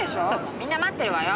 みんな待ってるわよ。